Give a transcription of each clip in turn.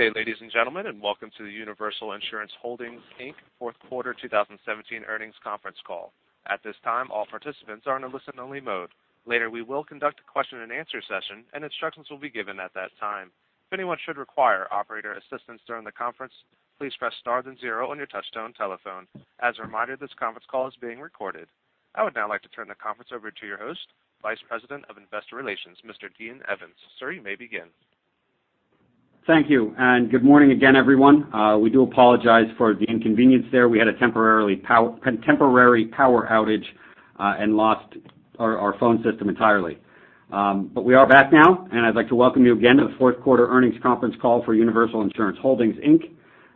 Good day, ladies and gentlemen, and welcome to the Universal Insurance Holdings, Inc. fourth quarter 2017 earnings conference call. At this time, all participants are in a listen-only mode. Later, we will conduct a question and answer session, and instructions will be given at that time. If anyone should require operator assistance during the conference, please press star then zero on your touch-tone telephone. As a reminder, this conference call is being recorded. I would now like to turn the conference over to your host, Vice President of Investor Relations, Mr. Dean Evans. Sir, you may begin. Thank you. Good morning again, everyone. We do apologize for the inconvenience there. We had a temporary power outage and lost our phone system entirely. We are back now. I'd like to welcome you again to the fourth quarter earnings conference call for Universal Insurance Holdings, Inc.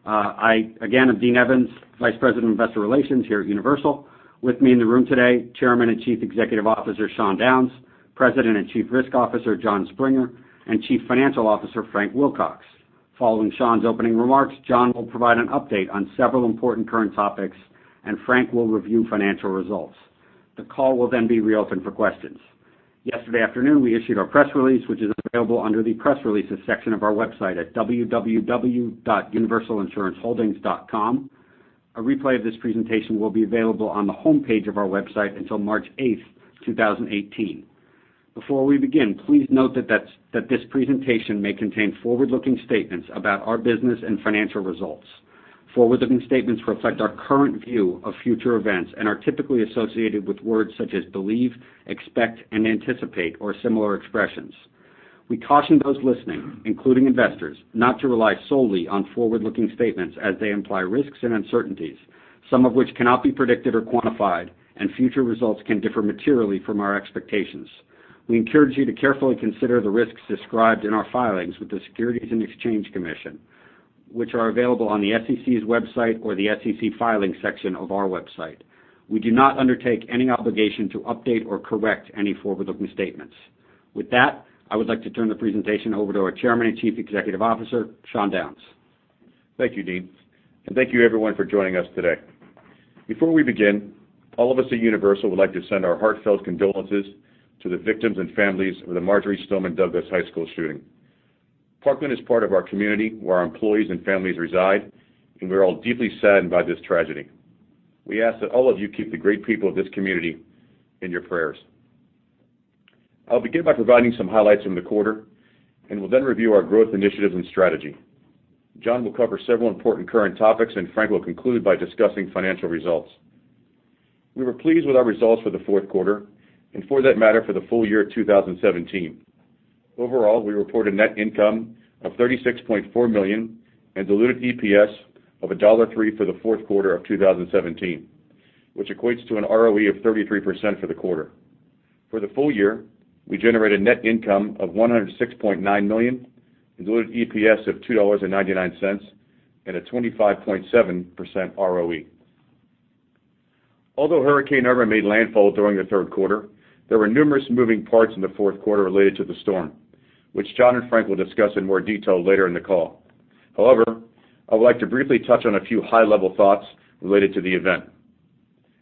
I, again, am Dean Evans, Vice President of Investor Relations here at Universal. With me in the room today, Chairman and Chief Executive Officer, Sean Downes, President and Chief Risk Officer, Jon Springer, and Chief Financial Officer, Frank Wilcox. Following Sean's opening remarks, Jon will provide an update on several important current topics. Frank will review financial results. The call will be reopened for questions. Yesterday afternoon, we issued our press release, which is available under the Press Releases section of our website at www.universalinsuranceholdings.com. A replay of this presentation will be available on the homepage of our website until March 8th, 2018. Before we begin, please note that this presentation may contain forward-looking statements about our business and financial results. Forward-looking statements reflect our current view of future events and are typically associated with words such as believe, expect, and anticipate, or similar expressions. We caution those listening, including investors, not to rely solely on forward-looking statements as they imply risks and uncertainties, some of which cannot be predicted or quantified, and future results can differ materially from our expectations. We encourage you to carefully consider the risks described in our filings with the Securities and Exchange Commission, which are available on the SEC's website or the SEC Filings section of our website. We do not undertake any obligation to update or correct any forward-looking statements. With that, I would like to turn the presentation over to our Chairman and Chief Executive Officer, Sean Downes. Thank you, Dean. Thank you, everyone, for joining us today. Before we begin, all of us at Universal would like to send our heartfelt condolences to the victims and families of the Marjory Stoneman Douglas High School shooting. Parkland is part of our community where our employees and families reside, and we're all deeply saddened by this tragedy. We ask that all of you keep the great people of this community in your prayers. I'll begin by providing some highlights from the quarter, and will then review our growth initiatives and strategy. Jon will cover several important current topics, and Frank will conclude by discussing financial results. We were pleased with our results for the fourth quarter, for that matter, for the full year 2017. Overall, we report a net income of $36.4 million and diluted EPS of $1.03 for the fourth quarter of 2017, which equates to an ROE of 33% for the quarter. For the full year, we generated net income of $106.9 million, diluted EPS of $2.99, and a 25.7% ROE. Although Hurricane Irma made landfall during the third quarter, there were numerous moving parts in the fourth quarter related to the storm, which Jon and Frank will discuss in more detail later in the call. However, I would like to briefly touch on a few high-level thoughts related to the event.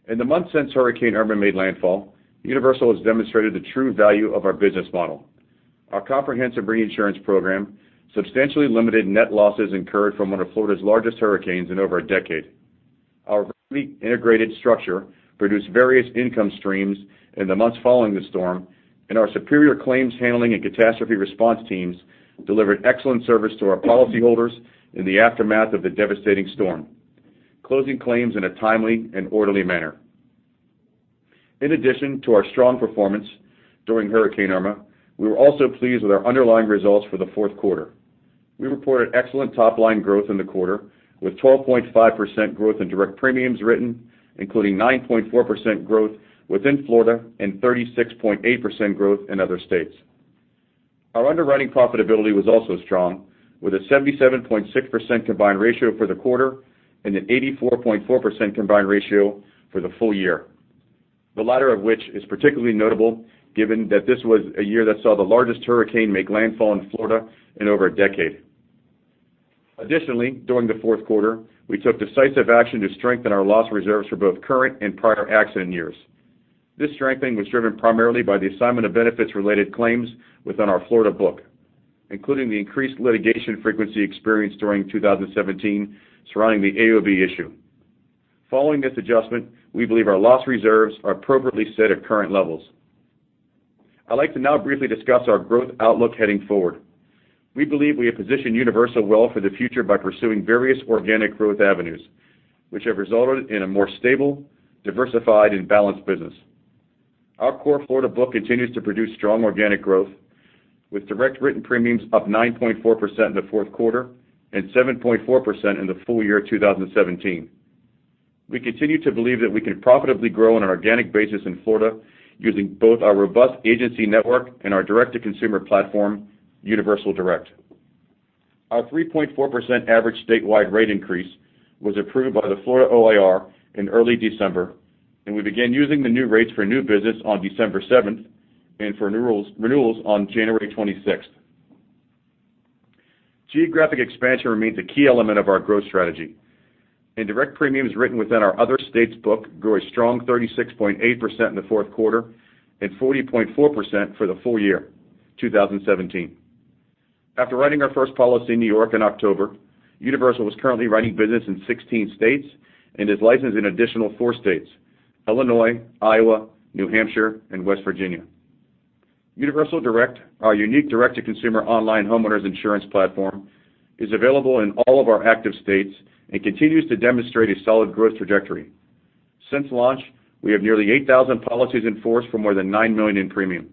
In the months since Hurricane Irma made landfall, Universal has demonstrated the true value of our business model. Our comprehensive reinsurance program substantially limited net losses incurred from one of Florida's largest hurricanes in over a decade. Our fully integrated structure produced various income streams in the months following the storm, our superior claims handling and catastrophe response teams delivered excellent service to our policyholders in the aftermath of the devastating storm, closing claims in a timely and orderly manner. In addition to our strong performance during Hurricane Irma, we were also pleased with our underlying results for the fourth quarter. We reported excellent top-line growth in the quarter, with 12.5% growth in direct premiums written, including 9.4% growth within Florida and 36.8% growth in other states. Our underwriting profitability was also strong, with a 77.6% combined ratio for the quarter and an 84.4% combined ratio for the full year. The latter of which is particularly notable given that this was a year that saw the largest hurricane make landfall in Florida in over a decade. Additionally, during the fourth quarter, we took decisive action to strengthen our loss reserves for both current and prior accident years. This strengthening was driven primarily by the assignment of benefits-related claims within our Florida book, including the increased litigation frequency experienced during 2017 surrounding the AOB issue. Following this adjustment, we believe our loss reserves are appropriately set at current levels. I'd like to now briefly discuss our growth outlook heading forward. We believe we have positioned Universal well for the future by pursuing various organic growth avenues, which have resulted in a more stable, diversified, and balanced business. Our core Florida book continues to produce strong organic growth, with direct written premiums up 9.4% in the fourth quarter and 7.4% in the full year 2017. We continue to believe that we can profitably grow on an organic basis in Florida using both our robust agency network and our direct-to-consumer platform, Universal Direct. Our 3.4% average statewide rate increase was approved by the Florida OIR in early December, and we began using the new rates for new business on December 7th and for renewals on January 26th. Geographic expansion remains a key element of our growth strategy. Direct premiums written within our other states book grew a strong 36.8% in the fourth quarter and 40.4% for the full year 2017. After writing our first policy in New York in October, Universal is currently writing business in 16 states and is licensed in an additional four states, Illinois, Iowa, New Hampshire, and West Virginia. Universal Direct, our unique direct-to-consumer online homeowners insurance platform, is available in all of our active states and continues to demonstrate a solid growth trajectory. Since launch, we have nearly 8,000 policies in force for more than $9 million in premium.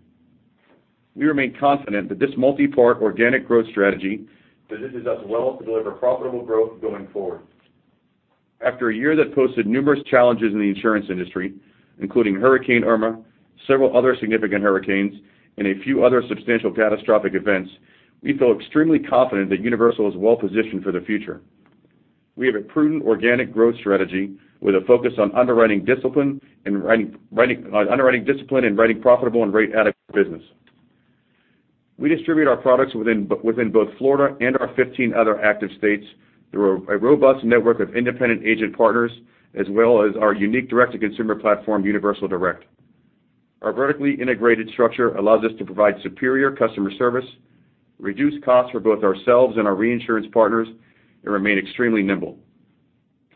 We remain confident that this multi-part organic growth strategy positions us well to deliver profitable growth going forward. After a year that posted numerous challenges in the insurance industry, including Hurricane Irma, several other significant hurricanes, and a few other substantial catastrophic events, we feel extremely confident that Universal is well-positioned for the future. We have a prudent organic growth strategy with a focus on underwriting discipline and writing profitable and rate-adequate business. We distribute our products within both Florida and our 15 other active states through a robust network of independent agent partners as well as our unique direct-to-consumer platform, Universal Direct. Our vertically integrated structure allows us to provide superior customer service, reduce costs for both ourselves and our reinsurance partners, and remain extremely nimble.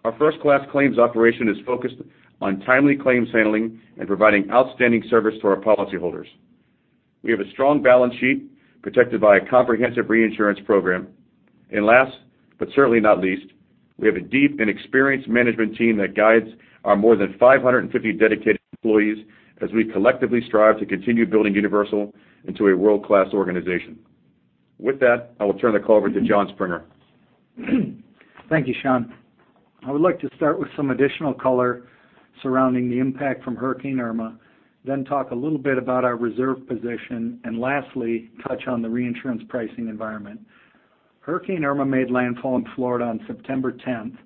Our first-class claims operation is focused on timely claims handling and providing outstanding service to our policyholders. We have a strong balance sheet protected by a comprehensive reinsurance program. Last, but certainly not least, we have a deep and experienced management team that guides our more than 550 dedicated employees as we collectively strive to continue building Universal into a world-class organization. With that, I will turn the call over to Jon Springer. Thank you, Sean. I would like to start with some additional color surrounding the impact from Hurricane Irma, then talk a little bit about our reserve position, and lastly, touch on the reinsurance pricing environment. Hurricane Irma made landfall in Florida on September 10th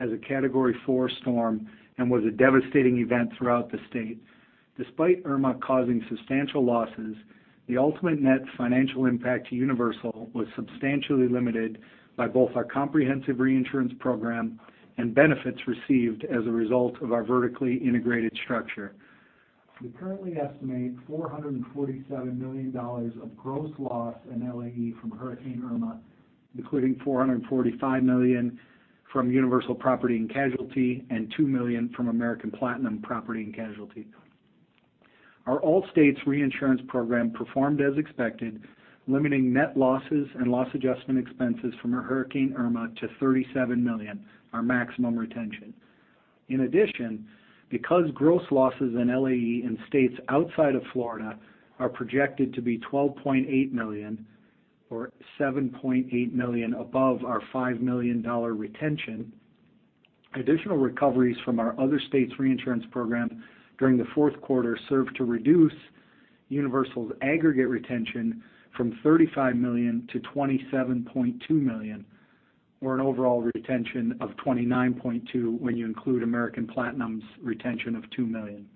as a Category 4 storm and was a devastating event throughout the state. Despite Irma causing substantial losses, the ultimate net financial impact to Universal was substantially limited by both our comprehensive reinsurance program and benefits received as a result of our vertically integrated structure. We currently estimate $447 million of gross loss in LAE from Hurricane Irma, including $445 million from Universal Property & Casualty and $2 million from American Platinum Property & Casualty. Our all-states reinsurance program performed as expected, limiting net losses and loss adjustment expenses from Hurricane Irma to $37 million, our maximum retention. In addition, because gross losses in LAE in states outside of Florida are projected to be $12.8 million, or $7.8 million above our $5 million retention, additional recoveries from our other states' reinsurance program during the fourth quarter served to reduce Universal's aggregate retention from $35 million to $27.2 million, or an overall retention of $29.2 million when you include American Platinum's retention of $2 million.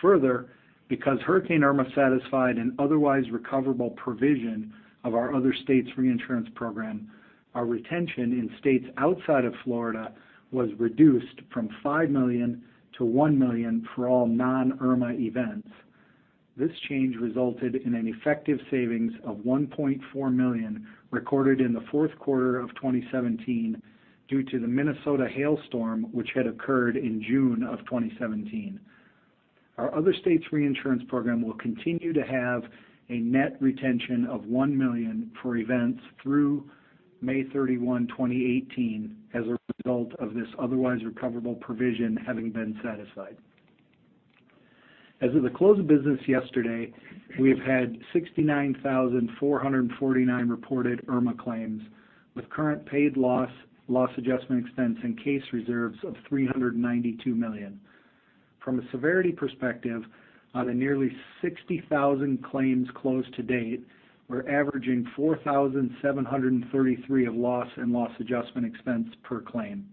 Further, because Hurricane Irma satisfied an otherwise recoverable provision of our other states' reinsurance program, our retention in states outside of Florida was reduced from $5 million to $1 million for all non-Irma events. This change resulted in an effective savings of $1.4 million recorded in the fourth quarter of 2017 due to the Minnesota hailstorm, which had occurred in June of 2017. Our other states' reinsurance program will continue to have a net retention of $1 million for events through May 31, 2018, as a result of this otherwise recoverable provision having been satisfied. As of the close of business yesterday, we've had 69,449 reported Irma claims, with current paid loss adjustment expense, and case reserves of $392 million. From a severity perspective, on the nearly 60,000 claims closed to date, we're averaging $4,733 of loss and loss adjustment expense per claim.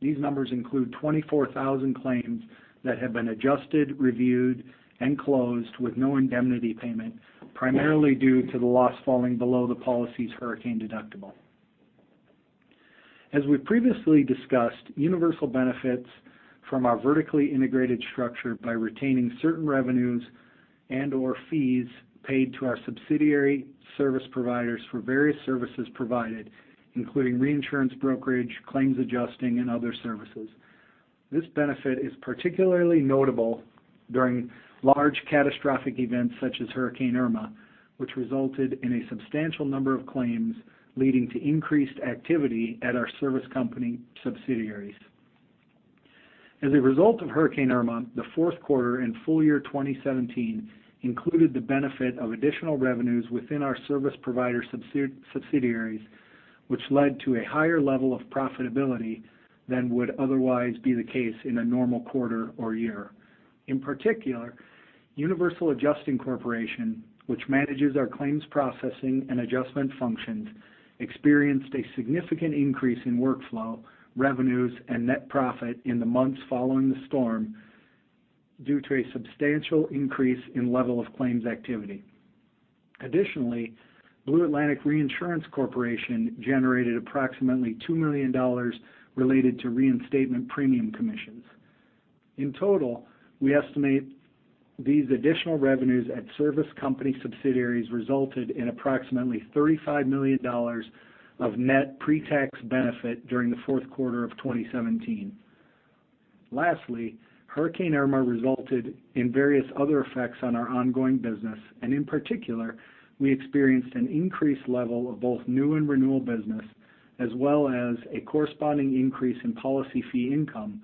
These numbers include 24,000 claims that have been adjusted, reviewed, and closed with no indemnity payment, primarily due to the loss falling below the policy's hurricane deductible. As we've previously discussed, Universal benefits from our vertically integrated structure by retaining certain revenues and/or fees paid to our subsidiary service providers for various services provided, including reinsurance brokerage, claims adjusting, and other services. This benefit is particularly notable during large catastrophic events such as Hurricane Irma, which resulted in a substantial number of claims, leading to increased activity at our service company subsidiaries. As a result of Hurricane Irma, the fourth quarter and full year 2017 included the benefit of additional revenues within our service provider subsidiaries, which led to a higher level of profitability than would otherwise be the case in a normal quarter or year. In particular, Universal Adjusting Corporation, which manages our claims processing and adjustment functions, experienced a significant increase in workflow, revenues, and net profit in the months following the storm due to a substantial increase in level of claims activity. Additionally, Blue Atlantic Reinsurance Corporation generated approximately $2 million related to reinstatement premium commissions. In total, we estimate these additional revenues at service company subsidiaries resulted in approximately $35 million of net pre-tax benefit during the fourth quarter of 2017. Lastly, Hurricane Irma resulted in various other effects on our ongoing business, and in particular, we experienced an increased level of both new and renewal business, as well as a corresponding increase in policy fee income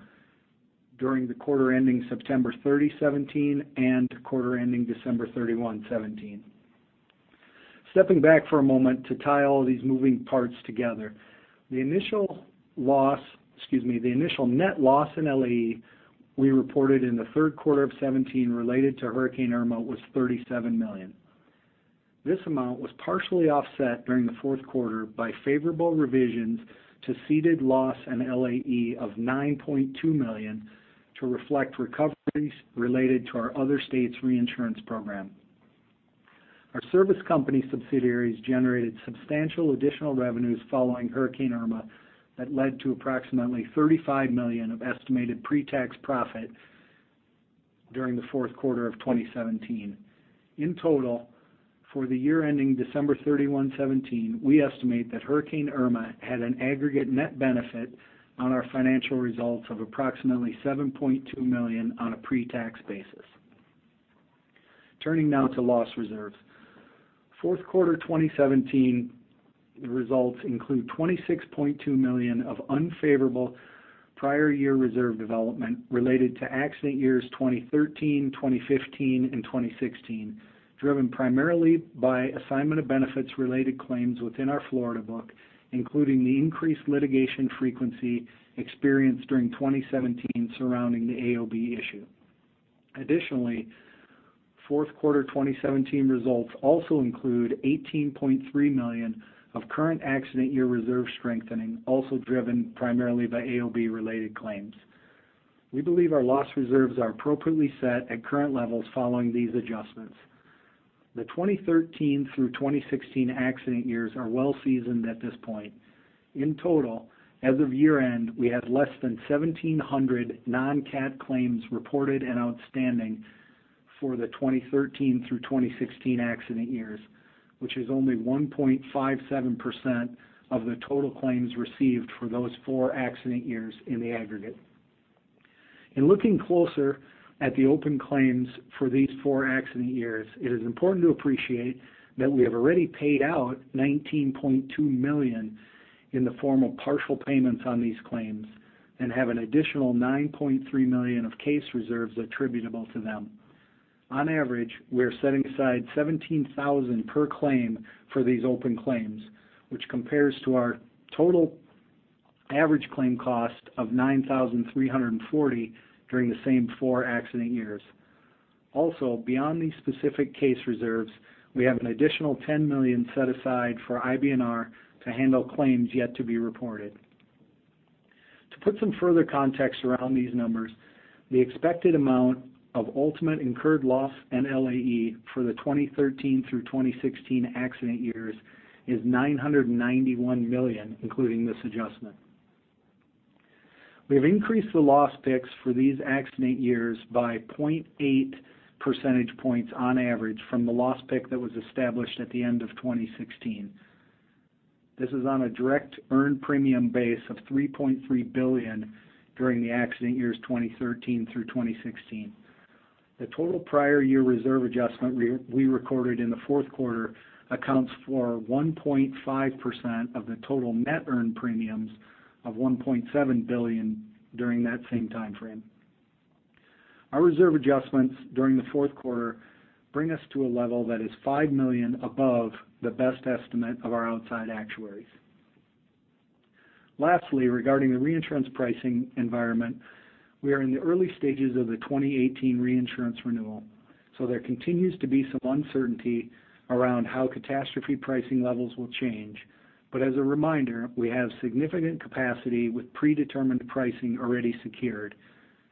during the quarter ending September 30, 2017, and quarter ending December 31, 2017. Stepping back for a moment to tie all these moving parts together, the initial net loss in LAE we reported in the third quarter of 2017 related to Hurricane Irma was $37 million. This amount was partially offset during the fourth quarter by favorable revisions to ceded loss and LAE of $9.2 million to reflect recoveries related to our other state's reinsurance program. Our service company subsidiaries generated substantial additional revenues following Hurricane Irma that led to approximately $35 million of estimated pre-tax profit during the fourth quarter of 2017. In total, for the year ending December 31, 2017, we estimate that Hurricane Irma had an aggregate net benefit on our financial results of approximately $7.2 million on a pre-tax basis. Turning now to loss reserves. Fourth quarter 2017 results include $26.2 million of unfavorable prior year reserve development related to accident years 2013, 2015, and 2016, driven primarily by assignment of benefits related claims within our Florida book, including the increased litigation frequency experienced during 2017 surrounding the AOB issue. Fourth quarter 2017 results also include $18.3 million of current accident year reserve strengthening, also driven primarily by AOB related claims. We believe our loss reserves are appropriately set at current levels following these adjustments. The 2013 through 2016 accident years are well seasoned at this point. In total, as of year-end, we had less than 1,700 non-cat claims reported and outstanding for the 2013 through 2016 accident years, which is only 1.57% of the total claims received for those four accident years in the aggregate. In looking closer at the open claims for these four accident years, it is important to appreciate that we have already paid out $19.2 million in the form of partial payments on these claims and have an additional $9.3 million of case reserves attributable to them. On average, we're setting aside $17,000 per claim for these open claims, which compares to our total average claim cost of $9,340 during the same four accident years. Beyond these specific case reserves, we have an additional $10 million set aside for IBNR to handle claims yet to be reported. To put some further context around these numbers, the expected amount of ultimate incurred loss and LAE for the 2013 through 2016 accident years is $991 million, including this adjustment. We've increased the loss picks for these accident years by 0.8 percentage points on average from the loss pick that was established at the end of 2016. This is on a direct earned premium base of $3.3 billion during the accident years 2013 through 2016. The total prior year reserve adjustment we recorded in the fourth quarter accounts for 1.5% of the total net earned premiums of $1.7 billion during that same time frame. Our reserve adjustments during the fourth quarter bring us to a level that is $5 million above the best estimate of our outside actuaries. Regarding the reinsurance pricing environment, we are in the early stages of the 2018 reinsurance renewal, there continues to be some uncertainty around how catastrophe pricing levels will change. As a reminder, we have significant capacity with predetermined pricing already secured.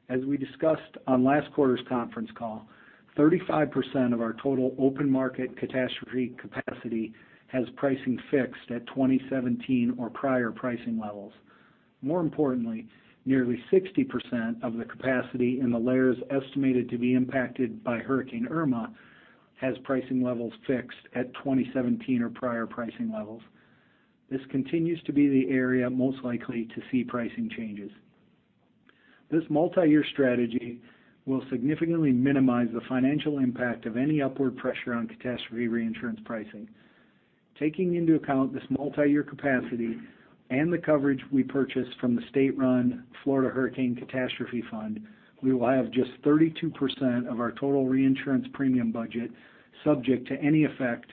As we discussed on last quarter's conference call, 35% of our total open market catastrophe capacity has pricing fixed at 2017 or prior pricing levels. Nearly 60% of the capacity in the layers estimated to be impacted by Hurricane Irma has pricing levels fixed at 2017 or prior pricing levels. This continues to be the area most likely to see pricing changes. This multi-year strategy will significantly minimize the financial impact of any upward pressure on catastrophe reinsurance pricing. Taking into account this multi-year capacity and the coverage we purchased from the state-run Florida Hurricane Catastrophe Fund, we will have just 32% of our total reinsurance premium budget subject to any effect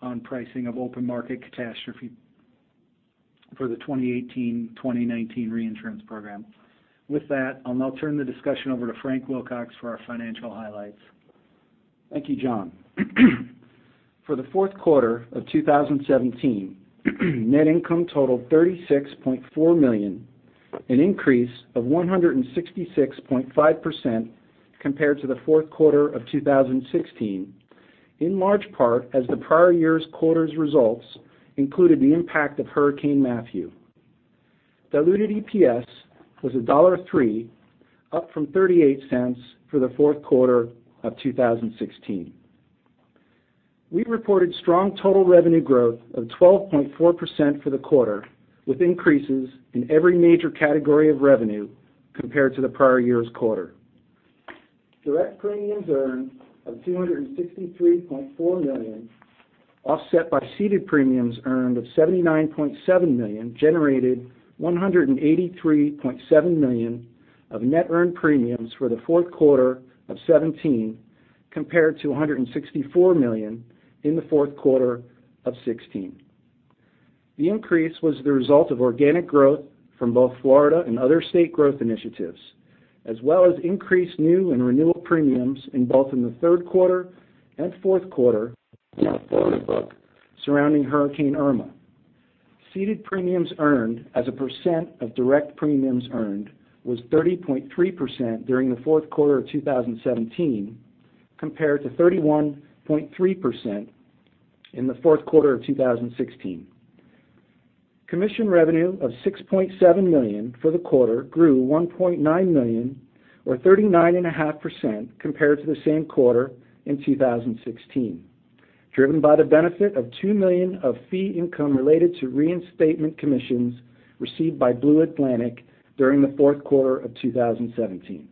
on pricing of open market catastrophe for the 2018-2019 reinsurance program. With that, I'll now turn the discussion over to Frank Wilcox for our financial highlights. Thank you, Jon. For the fourth quarter of 2017, net income totaled $36.4 million. An increase of 166.5% compared to the fourth quarter of 2016, in large part as the prior year's quarter's results included the impact of Hurricane Matthew. Diluted EPS was $1.03, up from $0.38 for the fourth quarter of 2016. We reported strong total revenue growth of 12.4% for the quarter, with increases in every major category of revenue compared to the prior year's quarter. Direct premiums earned of $263.4 million, offset by ceded premiums earned of $79.7 million, generated $183.7 million of net earned premiums for the fourth quarter of 2017, compared to $164 million in the fourth quarter of 2016. The increase was the result of organic growth from both Florida and other state growth initiatives, as well as increased new and renewal premiums in both in the third quarter and fourth quarter in our Florida book surrounding Hurricane Irma. Ceded premiums earned as a percent of direct premiums earned was 30.3% during the fourth quarter of 2017, compared to 31.3% in the fourth quarter of 2016. Commission revenue of $6.7 million for the quarter grew $1.9 million, or 39.5%, compared to the same quarter in 2016, driven by the benefit of $2 million of fee income related to reinstatement commissions received by Blue Atlantic during the fourth quarter of 2017.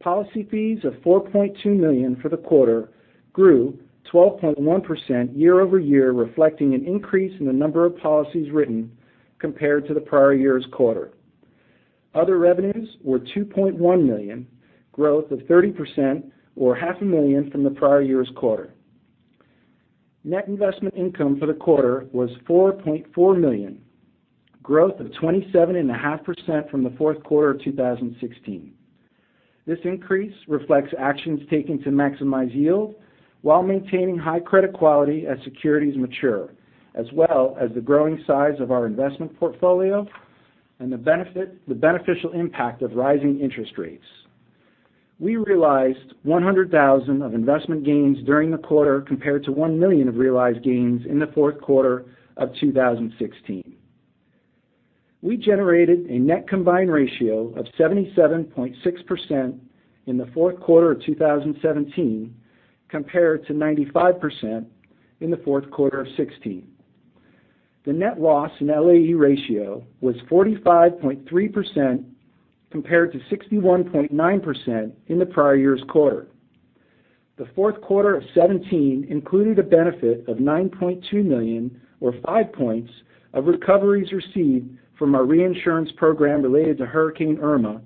Policy fees of $4.2 million for the quarter grew 12.1% year-over-year, reflecting an increase in the number of policies written compared to the prior year's quarter. Other revenues were $2.1 million, growth of 30%, or half a million from the prior year's quarter. Net investment income for the quarter was $4.4 million, growth of 27.5% from the fourth quarter of 2016. This increase reflects actions taken to maximize yield while maintaining high credit quality as securities mature, as well as the growing size of our investment portfolio and the beneficial impact of rising interest rates. We realized $100,000 of investment gains during the quarter, compared to $1 million of realized gains in the fourth quarter of 2016. We generated a net combined ratio of 77.6% in the fourth quarter of 2017, compared to 95% in the fourth quarter of 2016. The net loss in LAE ratio was 45.3%, compared to 61.9% in the prior year's quarter. The fourth quarter of 2017 included a benefit of $9.2 million, or five points, of recoveries received from our reinsurance program related to Hurricane Irma,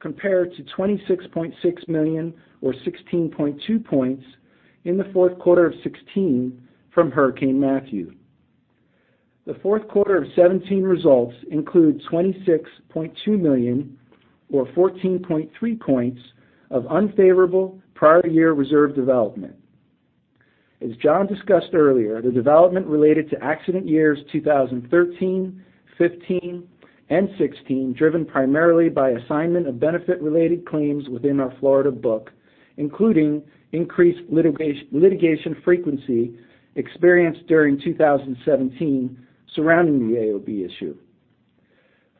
compared to $26.6 million, or 16.2 points, in the fourth quarter of 2016 from Hurricane Matthew. The fourth quarter of 2017 results include $26.2 million, or 14.3 points, of unfavorable prior year reserve development. As Jon discussed earlier, the development related to accident years 2013, 2015, and 2016, driven primarily by assignment of benefits-related claims within our Florida book, including increased litigation frequency experienced during 2017 surrounding the AOB issue.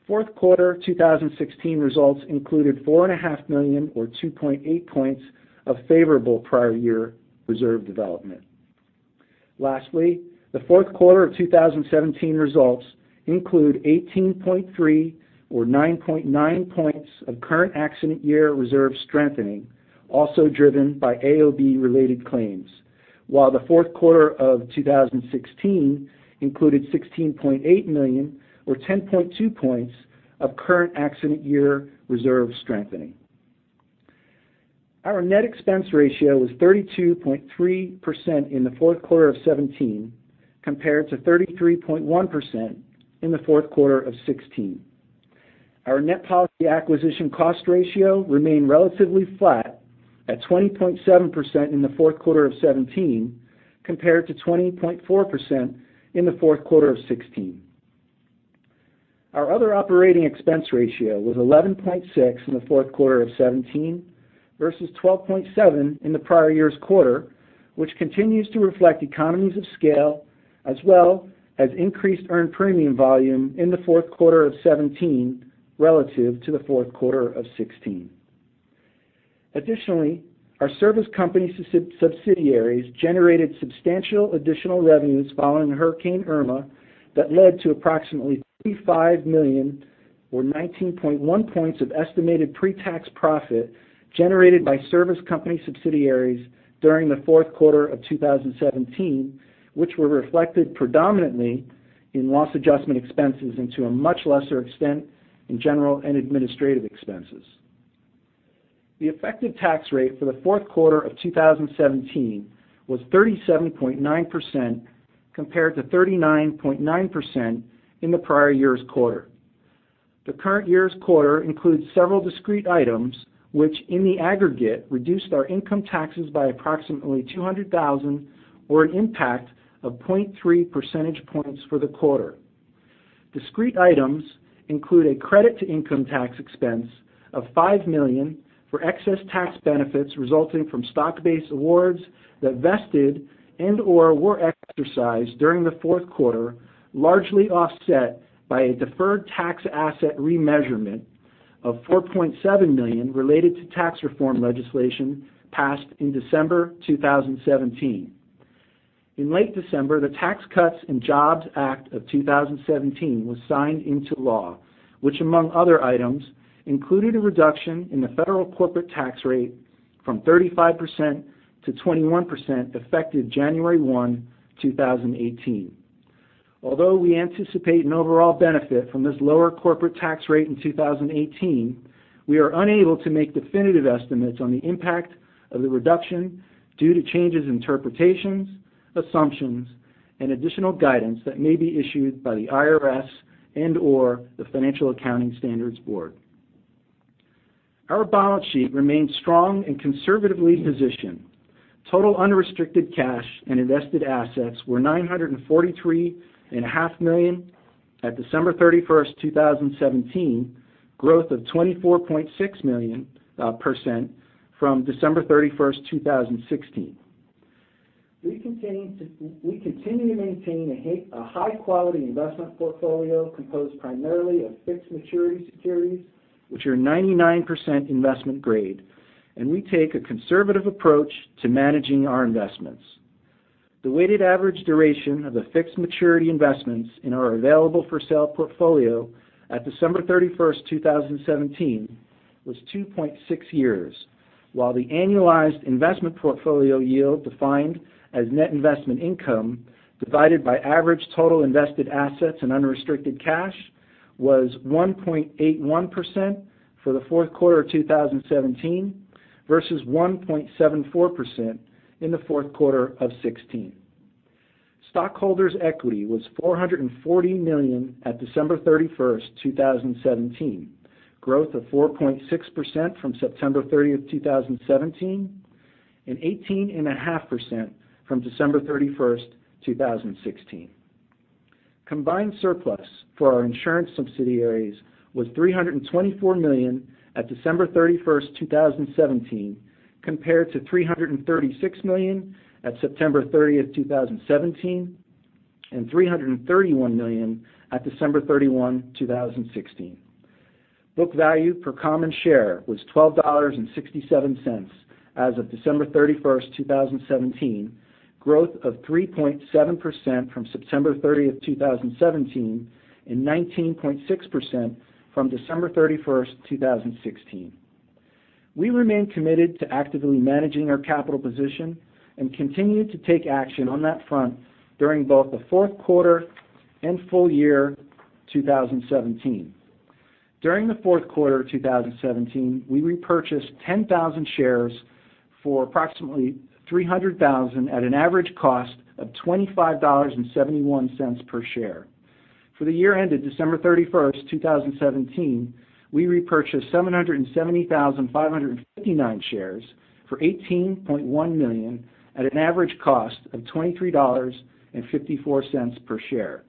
Fourth quarter 2016 results included $4.5 million, or 2.8 points, of favorable prior year reserve development. Lastly, the fourth quarter of 2017 results include $18.3 million, or 9.9 points, of current accident year reserve strengthening, also driven by AOB-related claims. While the fourth quarter of 2016 included $16.8 million, or 10.2 points, of current accident year reserve strengthening. Our net expense ratio was 32.3% in the fourth quarter of 2017, compared to 33.1% in the fourth quarter of 2016. Our net policy acquisition cost ratio remained relatively flat at 20.7% in the fourth quarter of 2017, compared to 20.4% in the fourth quarter of 2016. Our other operating expense ratio was 11.6% in the fourth quarter of 2017 versus 12.7% in the prior year's quarter, which continues to reflect economies of scale, as well as increased earned premium volume in the fourth quarter of 2017 relative to the fourth quarter of 2016. Additionally, our service company subsidiaries generated substantial additional revenues following Hurricane Irma that led to approximately $35 million, or 19.1 points, of estimated pre-tax profit generated by service company subsidiaries during the fourth quarter of 2017, which were reflected predominantly in loss adjustment expenses, and to a much lesser extent, in general and administrative expenses. The effective tax rate for the fourth quarter of 2017 was 37.9%, compared to 39.9% in the prior year's quarter. The current year's quarter includes several discrete items, which in the aggregate, reduced our income taxes by approximately $200,000, or an impact of 0.3 percentage points for the quarter. Discrete items include a credit to income tax expense of $5 million for excess tax benefits resulting from stock-based awards that vested and/or were exercised during the fourth quarter, largely offset by a deferred tax asset remeasurement of $4.7 million related to tax reform legislation passed in December 2017. In late December, the Tax Cuts and Jobs Act of 2017 was signed into law, which, among other items, included a reduction in the federal corporate tax rate from 35% to 21%, effective January 1, 2018. Although we anticipate an overall benefit from this lower corporate tax rate in 2018, we are unable to make definitive estimates on the impact of the reduction due to changes in interpretations, assumptions, and additional guidance that may be issued by the IRS and/or the Financial Accounting Standards Board. Our balance sheet remains strong and conservatively positioned. Total unrestricted cash and invested assets were $943.5 million at December 31st, 2017, growth of 24.6% from December 31st, 2016. We continue to maintain a high-quality investment portfolio composed primarily of fixed maturity securities, which are 99% investment grade, and we take a conservative approach to managing our investments. The weighted average duration of the fixed maturity investments in our available-for-sale portfolio at December 31st, 2017, was 2.6 years, while the annualized investment portfolio yield, defined as net investment income divided by average total invested assets and unrestricted cash, was 1.81% for the fourth quarter of 2017 versus 1.74% in the fourth quarter of 2016. Stockholders' equity was $440 million at December 31st, 2017, growth of 4.6% from September 30th, 2017, and 18.5% from December 31st, 2016. Combined surplus for our insurance subsidiaries was $324 million at December 31st, 2017, compared to $336 million at September 30th, 2017, and $331 million at December 31, 2016. Book value per common share was $12.67 as of December 31st, 2017, growth of 3.7% from September 30th, 2017, and 19.6% from December 31st, 2016. We remain committed to actively managing our capital position and continue to take action on that front during both the fourth quarter and full year 2017. During the fourth quarter of 2017, we repurchased 10,000 shares for approximately $300,000 at an average cost of $25.71 per share. For the year ended December 31st, 2017, we repurchased 770,559 shares for $18.1 million at an average cost of $23.54 per share.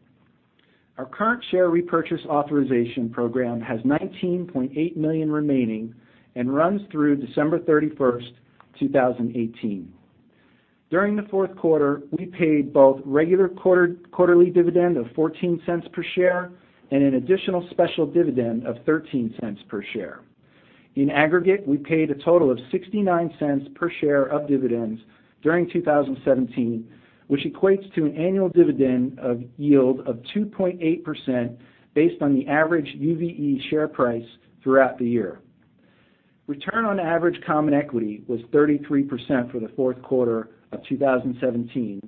Our current share repurchase authorization program has $19.8 million remaining and runs through December 31st, 2018. During the fourth quarter, we paid both regular quarterly dividend of $0.14 per share and an additional special dividend of $0.13 per share. In aggregate, we paid a total of $0.69 per share of dividends during 2017, which equates to an annual dividend yield of 2.8% based on the average UVE share price throughout the year. Return on average common equity was 33% for the fourth quarter of 2017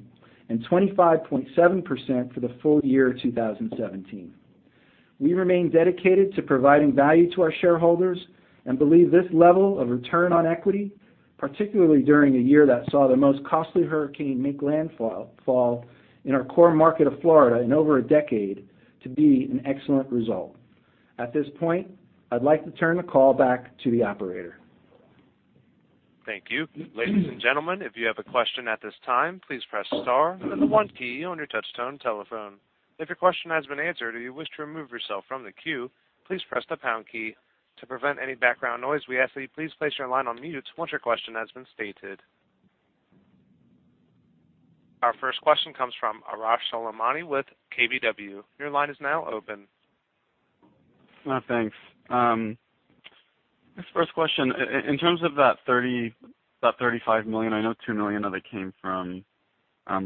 and 25.7% for the full year 2017. We remain dedicated to providing value to our shareholders and believe this level of return on equity, particularly during a year that saw the most costly hurricane make landfall in our core market of Florida in over a decade, to be an excellent result. At this point, I'd like to turn the call back to the operator. Thank you. Ladies and gentlemen, if you have a question at this time, please press star 1 on your touch-tone telephone. If your question has been answered or you wish to remove yourself from the queue, please press the pound key. To prevent any background noise, we ask that you please place your line on mute once your question has been stated. Our first question comes from Arash Soleimani with KBW. Your line is now open. Arash, thanks. This first question, in terms of that $35 million, I know $2 million of it came from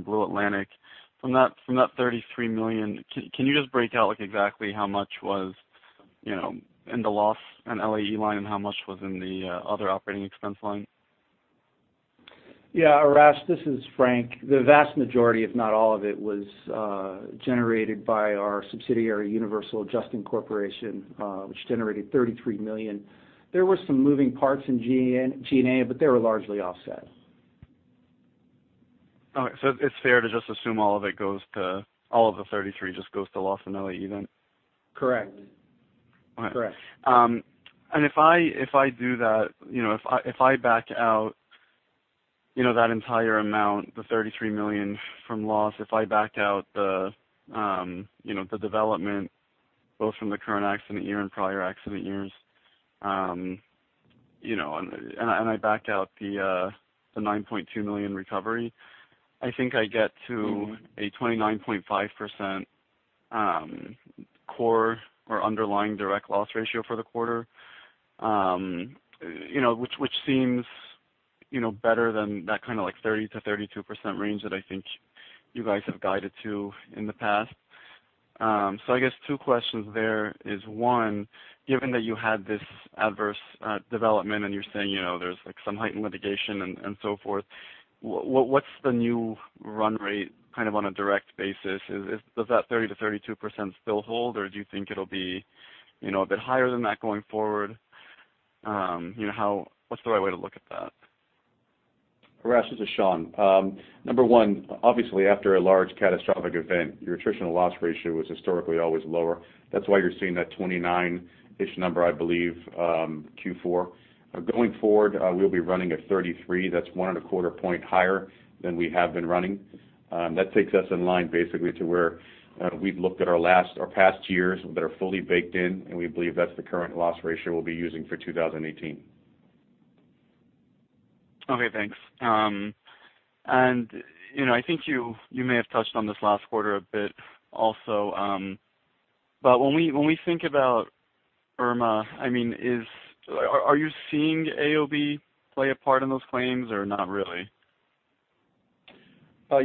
Blue Atlantic. From that $33 million, can you just break out exactly how much was in the loss and LAE line, and how much was in the other operating expense line? Yeah, Arash, this is Frank. The vast majority, if not all of it, was generated by our subsidiary, Universal Adjusting Corporation, which generated $33 million. There were some moving parts in G&A, but they were largely offset. All right. It's fair to just assume all of the 33 just goes to loss and LAE then? Correct. All right. Correct. If I do that, if I back out that entire amount, the $33 million from loss, if I backed out the development, both from the current accident year and prior accident years, and I backed out the $9.2 million recovery, I think I get to a 29.5% core or underlying direct loss ratio for the quarter, which seems better than that kind of 30%-32% range that I think you guys have guided to in the past. I guess two questions there is, one, given that you had this adverse development and you're saying there's some heightened litigation and so forth, what's the new run rate on a direct basis? Does that 30%-32% still hold, or do you think it'll be a bit higher than that going forward? What's the right way to look at that? Arash, this is Sean. Number one, obviously, after a large catastrophic event, your attritional loss ratio is historically always lower. That's why you're seeing that 29-ish number, I believe, Q4. Going forward, we'll be running at 33%. That's one and a quarter point higher than we have been running. That takes us in line basically to where we've looked at our past years that are fully baked in, and we believe that's the current loss ratio we'll be using for 2018. Okay, thanks. I think you may have touched on this last quarter a bit also, when we think about Irma, are you seeing AOB play a part in those claims or not really?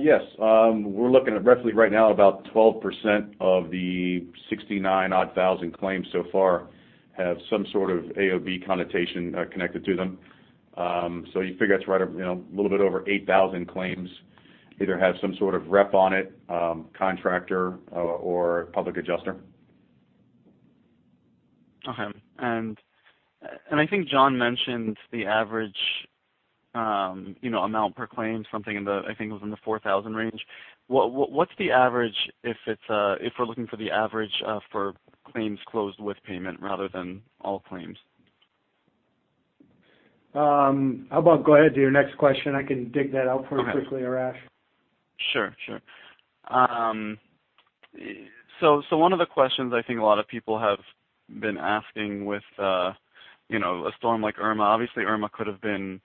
Yes. We're looking at roughly right now, about 12% of the 69,000-odd claims so far have some sort of AOB connotation connected to them. You figure that's right a little bit over 8,000 claims either have some sort of rep on it, contractor or public adjuster. Okay. I think Jon mentioned the average amount per claim, something in the, I think it was in the 4,000 range. What's the average if we're looking for the average for claims closed with payment rather than all claims? How about go ahead to your next question. I can dig that out pretty quickly, Arash. Sure. One of the questions I think a lot of people have been asking with a storm like Irma, obviously Irma could have been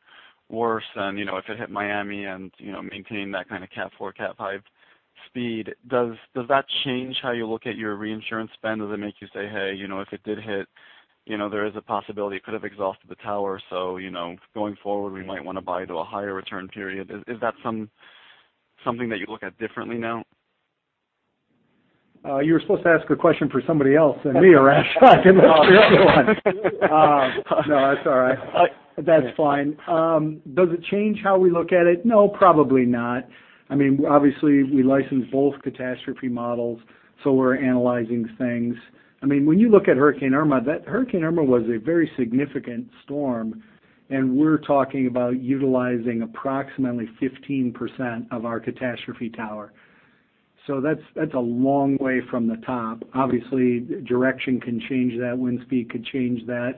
worse, and if it hit Miami and maintained that kind of cat 4, cat 5 speed. Does that change how you look at your reinsurance spend? Does it make you say, "Hey, if it did hit, there is a possibility it could have exhausted the tower. So, going forward, we might want to buy to a higher return period." Is that something that you look at differently now? You were supposed to ask a question for somebody else than me, Arash. No, that's all right. That's fine. Does it change how we look at it? No, probably not. Obviously, we license both catastrophe models. We're analyzing things. When you look at Hurricane Irma, Hurricane Irma was a very significant storm, and we're talking about utilizing approximately 15% of our catastrophe tower. That's a long way from the top. Obviously, direction can change that, wind speed could change that.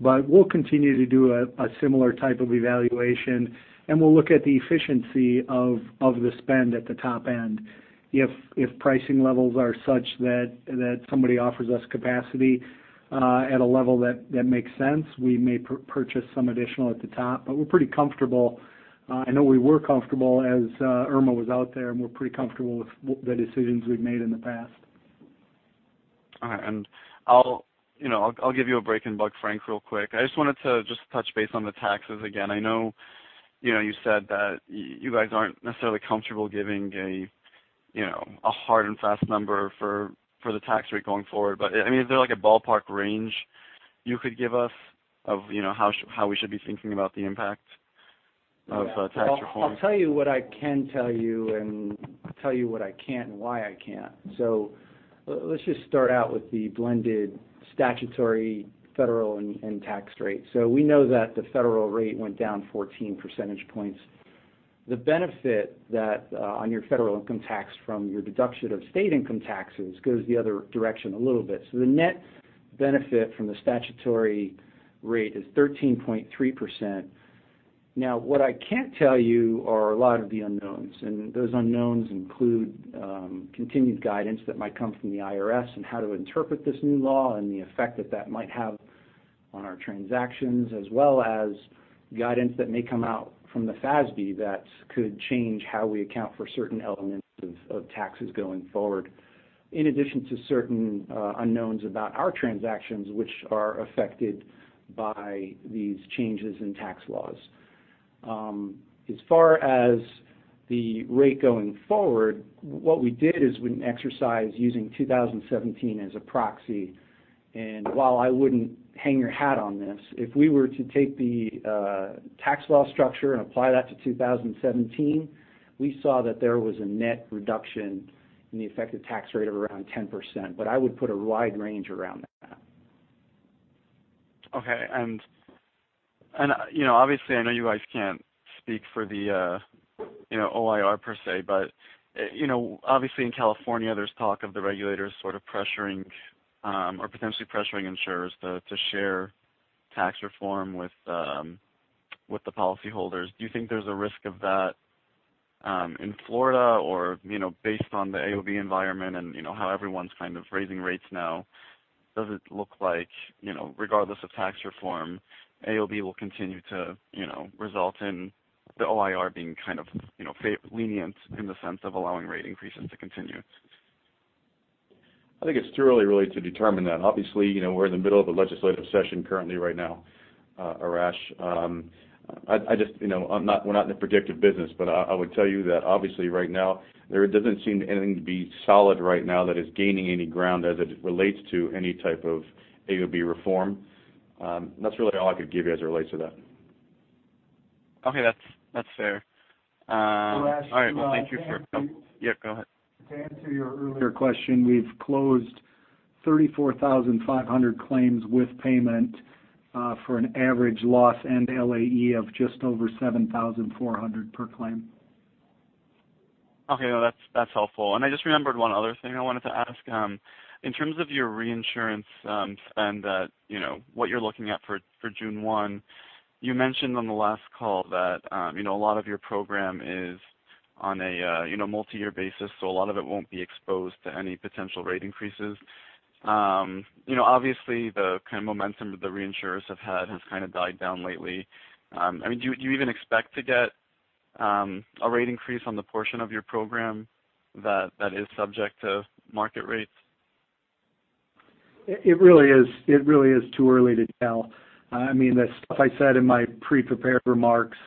We'll continue to do a similar type of evaluation, and we'll look at the efficiency of the spend at the top end. If pricing levels are such that somebody offers us capacity at a level that makes sense, we may purchase some additional at the top. We're pretty comfortable. I know we were comfortable as Irma was out there, and we're pretty comfortable with the decisions we've made in the past. All right. I'll give you a break and bug Frank real quick. I just wanted to just touch base on the taxes again. I know you said that you guys aren't necessarily comfortable giving a hard and fast number for the tax rate going forward. Is there a ballpark range you could give us of how we should be thinking about the impact of tax reform? I'll tell you what I can tell you, and tell you what I can't and why I can't. Let's just start out with the blended statutory federal and tax rate. We know that the federal rate went down 14 percentage points. The benefit on your federal income tax from your deduction of state income taxes goes the other direction a little bit. The net benefit from the statutory rate is 13.3%. Now, what I can't tell you are a lot of the unknowns, and those unknowns include continued guidance that might come from the IRS on how to interpret this new law and the effect that that might have on our transactions, as well as guidance that may come out from the FASB that could change how we account for certain elements of taxes going forward. In addition to certain unknowns about our transactions, which are affected by these changes in tax laws. As far as the rate going forward, what we did is we did an exercise using 2017 as a proxy. While I wouldn't hang your hat on this, if we were to take the tax law structure and apply that to 2017, we saw that there was a net reduction in the effective tax rate of around 10%, but I would put a wide range around that. Okay. Obviously, I know you guys can't speak for the OIR per se, but obviously in California, there's talk of the regulators sort of potentially pressuring insurers to share tax reform with the policyholders. Do you think there's a risk of that in Florida or based on the AOB environment and how everyone's kind of raising rates now, does it look like, regardless of tax reform, AOB will continue to result in the OIR being kind of lenient in the sense of allowing rate increases to continue? I think it's too early really to determine that. Obviously, we're in the middle of a legislative session currently right now, Arash. We're not in the predictive business, but I would tell you that obviously right now, there doesn't seem to anything to be solid right now that is gaining any ground as it relates to any type of AOB reform. That's really all I could give you as it relates to that. Okay. That's fair. Arash- All right. Well, thank you for-- Yeah, go ahead. To answer your earlier question, we've closed 34,500 claims with payment for an average loss and LAE of just over $7,400 per claim. Okay. No, that's helpful. I just remembered one other thing I wanted to ask. In terms of your reinsurance spend, what you're looking at for June 1, you mentioned on the last call that a lot of your program is on a multi-year basis, so a lot of it won't be exposed to any potential rate increases. Obviously, the kind of momentum that the reinsurers have had has kind of died down lately. Do you even expect to get a rate increase on the portion of your program that is subject to market rates? It really is too early to tell. The stuff I said in my pre-prepared remarks,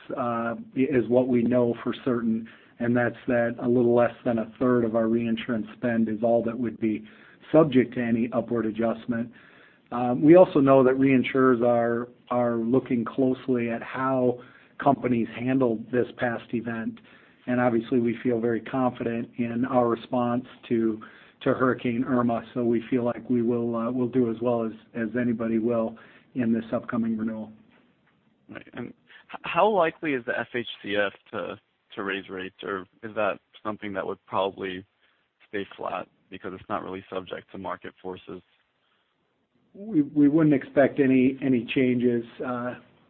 is what we know for certain, and that's that a little less than a third of our reinsurance spend is all that would be subject to any upward adjustment. We also know that reinsurers are looking closely at how companies handled this past event, and obviously we feel very confident in our response to Hurricane Irma. We feel like we'll do as well as anybody will in this upcoming renewal. Right. How likely is the FHCF to raise rates? Is that something that would probably stay flat because it's not really subject to market forces? We wouldn't expect any changes in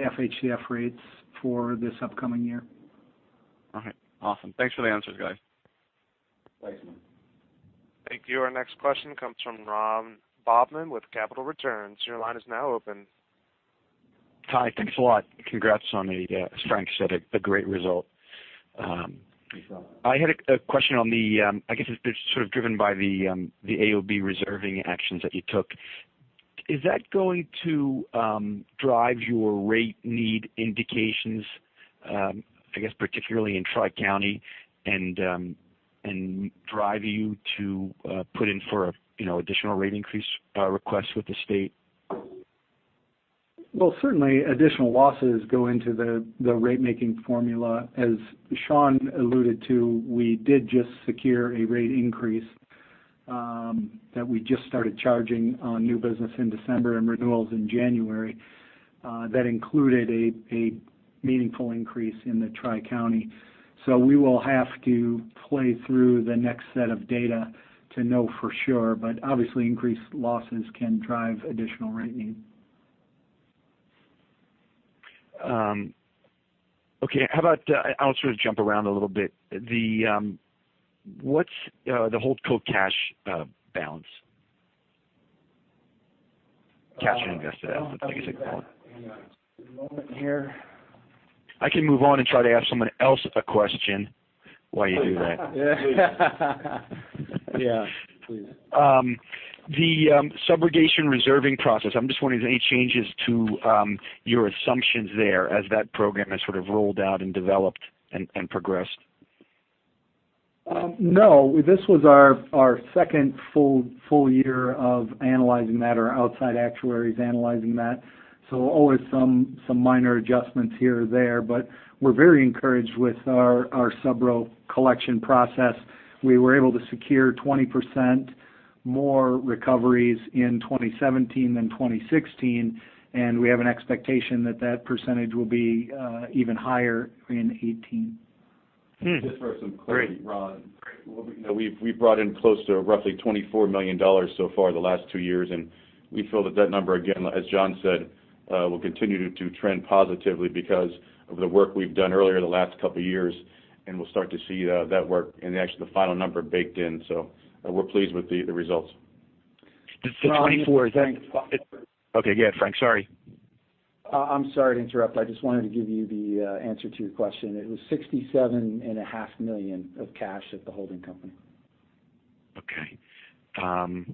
FHCF rates for this upcoming year. Okay. Awesome. Thanks for the answers, guys. Thanks. Thank you. Our next question comes from Ron Bobman with Capital Returns. Your line is now open. Hi. Thanks a lot. Congrats on the, as Frank said, a great result. Thanks, Ron. I had a question on the, I guess it's sort of driven by the AOB reserving actions that you took. Is that going to drive your rate need indications, I guess, particularly in Tri-County and drive you to put in for additional rate increase requests with the state? Well, certainly additional losses go into the rate-making formula. As Sean alluded to, we did just secure a rate increase that we just started charging on new business in December and renewals in January, that included a meaningful increase in the Tri-County. We will have to play through the next set of data to know for sure, but obviously increased losses can drive additional rate need. Okay. I'll sort of jump around a little bit. What's the holdco cash balance? Cash and invested assets, I guess you'd call it. Hang on one moment here. I can move on and try to ask someone else a question while you do that. Yeah. Please. The subrogation reserving process, I'm just wondering, any changes to your assumptions there as that program has sort of rolled out and developed and progressed? No. This was our second full year of analyzing that or outside actuaries analyzing that. Always some minor adjustments here or there, but we're very encouraged with our subro collection process. We were able to secure 20% more recoveries in 2017 than 2016, and we have an expectation that that percentage will be even higher in 2018. Great. Just for some clarity, Ron. We've brought in close to roughly $24 million so far the last two years, and we feel that that number, again, as Jon said, will continue to trend positively because of the work we've done earlier the last couple of years, and we'll start to see that work and actually the final number baked in. We're pleased with the results. The 24, is that? Sean, this is Frank. Okay. Yeah. Frank, sorry. I'm sorry to interrupt. I just wanted to give you the answer to your question. It was $67.5 million of cash at the holding company. Okay.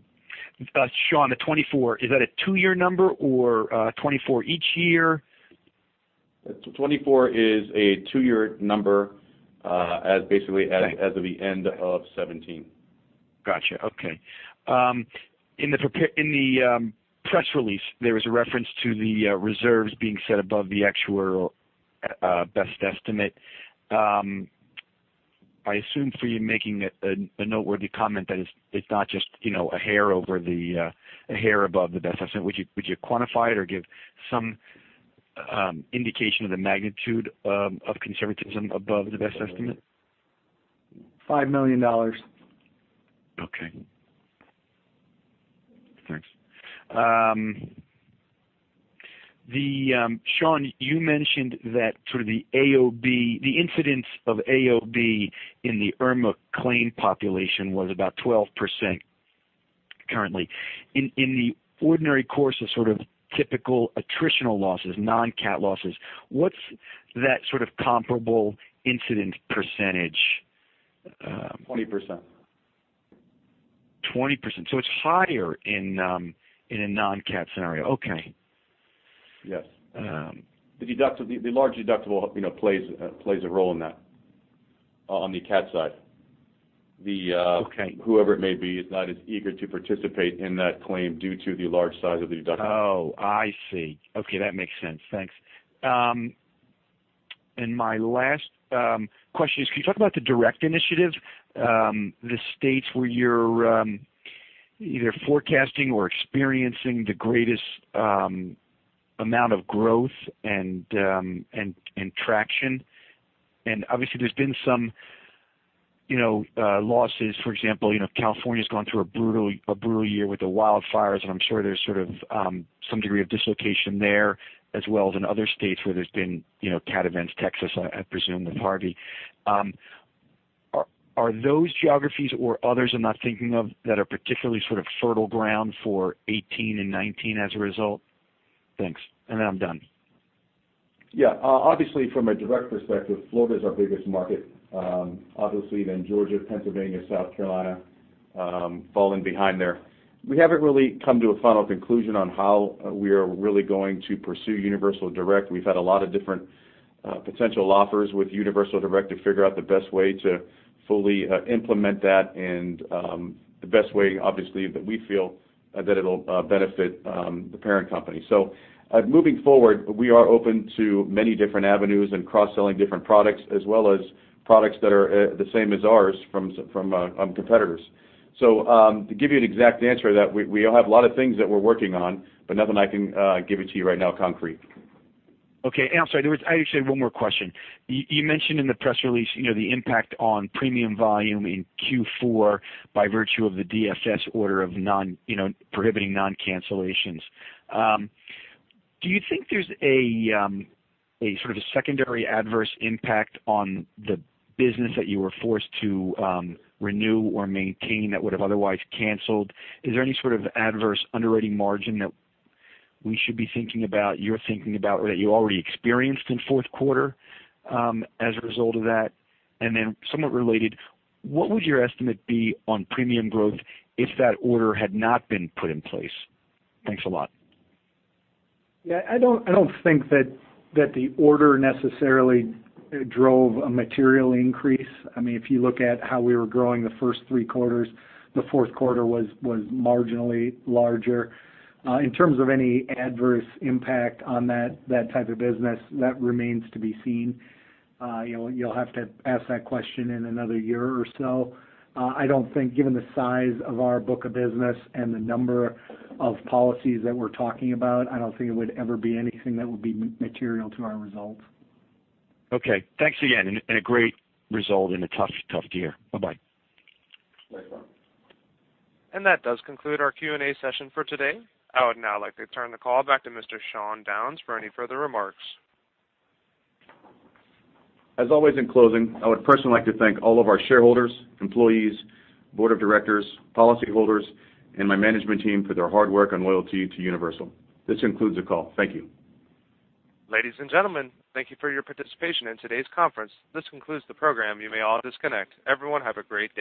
Sean, the 24, is that a two-year number or 24 each year? 24 is a two-year number as basically as of the end of 2017. Got you. Okay. In the press release, there was a reference to the reserves being set above the actuarial best estimate. I assume for you making a noteworthy comment that it's not just a hair above the best estimate. Would you quantify it or give some indication of the magnitude of conservatism above the best estimate? $5 million. Okay. Thanks. Sean, you mentioned that sort of the AOB, the incidence of AOB in the Irma claim population was about 12% currently. In the ordinary course of sort of typical attritional losses, non-cat losses, what's that sort of comparable incident percentage? 20%. 20%? It's higher in a non-cat scenario. Okay. Yes. The large deductible plays a role in that on the cat side. Okay. Whoever it may be is not as eager to participate in that claim due to the large size of the deductible. Oh, I see. Okay. That makes sense. Thanks. My last question is, can you talk about the direct initiatives, the states where you're either forecasting or experiencing the greatest amount of growth and traction? Obviously, there's been some losses. For example, California's gone through a brutal year with the wildfires, and I'm sure there's sort of some degree of dislocation there, as well as in other states where there's been cat events. Texas, I presume, with Harvey. Are those geographies or others I'm not thinking of that are particularly sort of fertile ground for 2018 and 2019 as a result? Thanks. Then I'm done. Yeah. Obviously, from a direct perspective, Florida's our biggest market. Obviously, then Georgia, Pennsylvania, South Carolina falling behind there. We haven't really come to a final conclusion on how we are really going to pursue Universal Direct. We've had a lot of different potential offers with Universal Direct to figure out the best way to fully implement that and the best way, obviously, that we feel that it'll benefit the parent company. Moving forward, we are open to many different avenues and cross-selling different products as well as products that are the same as ours from competitors. To give you an exact answer to that, we have a lot of things that we're working on, but nothing I can give it to you right now concrete. Okay. I'm sorry. I actually had one more question. You mentioned in the press release the impact on premium volume in Q4 by virtue of the DFS order prohibiting non-cancellations. Do you think there's a sort of secondary adverse impact on the business that you were forced to renew or maintain that would've otherwise canceled? Is there any sort of adverse underwriting margin that we should be thinking about, you're thinking about, or that you already experienced in fourth quarter as a result of that? What would your estimate be on premium growth if that order had not been put in place? Thanks a lot. Yeah, I don't think that the order necessarily drove a material increase. If you look at how we were growing the first three quarters, the fourth quarter was marginally larger. In terms of any adverse impact on that type of business, that remains to be seen. You'll have to ask that question in another year or so. I don't think, given the size of our book of business and the number of policies that we're talking about, I don't think it would ever be anything that would be material to our results. Okay. Thanks again, and a great result in a tough year. Bye-bye. Bye. That does conclude our Q&A session for today. I would now like to turn the call back to Mr. Sean Downes for any further remarks. As always, in closing, I would personally like to thank all of our shareholders, employees, board of directors, policyholders, and my management team for their hard work and loyalty to Universal. This concludes the call. Thank you. Ladies and gentlemen, thank you for your participation in today's conference. This concludes the program. You may all disconnect. Everyone have a great day.